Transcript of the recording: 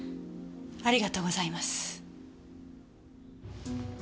ありがとうございます。